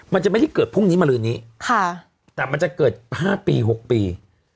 มันจะไม่ได้เกิดพรุ่งนี้มาลืนนี้แต่มันจะเกิด๕ปี๖ปี